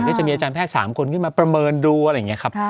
อาจารย์แพทย์๓คนขึ้นมาประเมินดูอะไรอย่างนี้ครับ